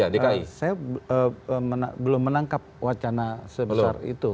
dki ya saya belum menangkap wacana sebesar itu